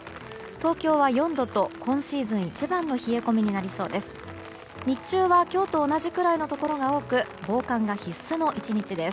東京は４度と、今シーズン一番の冷え込みになりそうです。